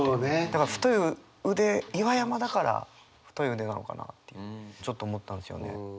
岩山だから「太い腕」なのかなってちょっと思ったんですよね。